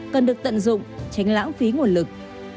cần được tận dụng tránh lãng phí nguồn lực